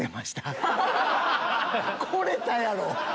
来れたやろ！